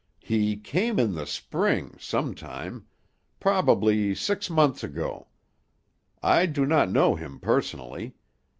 "He came in the spring, some time; probably six months ago. I do not know him personally.